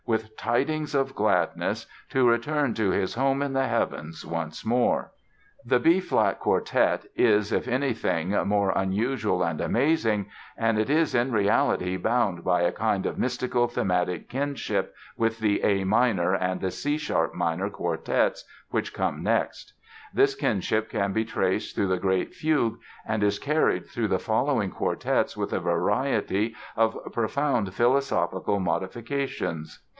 with tidings of gladness, to return to his home in the heavens once more." [Illustration: Portrait of Beethoven in later life.] [Illustration: Etching of Beethoven's study.] The B flat Quartet is, if anything, more unusual and amazing, and it is in reality bound by a kind of mystical thematic kinship with the A minor and the C sharp minor Quartets which come next. This kinship can be traced through the Great Fugue and is carried through the following quartets with a variety of profound philosophical modifications.